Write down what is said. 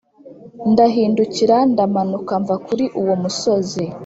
ndahindukira, ndamanuka mva kuri uwo musozi,